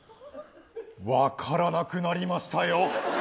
分からなくなりましたよ。